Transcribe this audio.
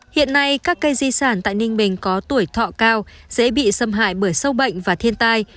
hiện nay các cây di sản tại ninh bình có tuổi thọ cao dễ bị xâm hại bởi sâu bệnh và thiên tai